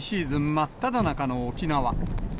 真っただ中の沖縄。